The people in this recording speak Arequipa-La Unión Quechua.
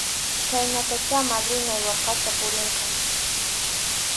Chhaynatachá madrinay waqaspa purirqan.